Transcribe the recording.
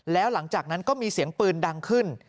แล้วหลังจากนั้นก็มีเสียงปืนดังขึ้น